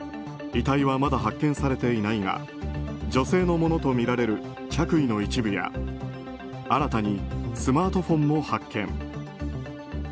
遺体はまだ発見されていないが女性のものとみられる着衣の一部や新たにスマートフォンも発見。